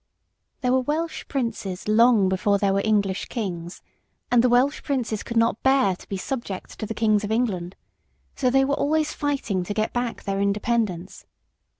ICH DIEN] THERE were Welsh princes long before there were English kings, and the Welsh princes could not bear to be subject to the kings of England. So they were always fighting to get back their independence.